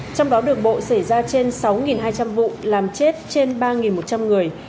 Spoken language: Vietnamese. trong đó đường bộ xảy ra trên sáu hai trăm linh vụ làm chết trên ba một trăm linh người